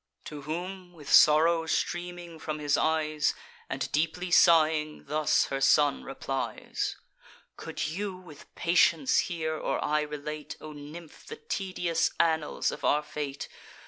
To whom, with sorrow streaming from his eyes, And deeply sighing, thus her son replies: "Could you with patience hear, or I relate, O nymph, the tedious annals of our fate!